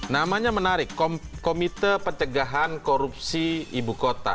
namanya menarik komite pencegahan korupsi ibu kota